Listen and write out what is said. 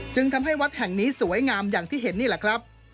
จึงทำให้วัดแห่งนี้สวยงามอย่างที่เห็นนี่แหละครับ